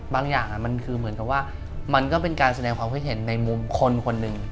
บางอย่างมันคือเหมือนกับว่ามันก็เป็นการแสดงความคิดเห็นในมุมคนคนหนึ่ง